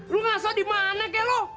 lu ngasah dimana kek lu